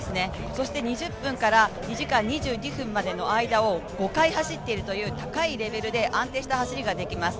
そして２時間２０分から２時間２２分までの間を５回走っているという高いレベルで安定した走りができます。